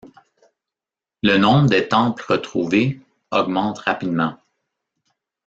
Le nombre des temples retrouvés augmente rapidement.